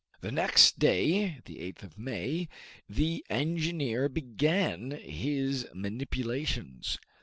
The next day, the 8th of May, the engineer began his manipulations.